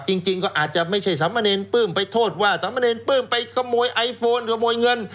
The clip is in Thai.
จริงก็อาจจะไม่ใช่สามเณรปลื้มไปโทษว่าสามเณรปลื้มไปขโมยไอโฟนขโมยเงิน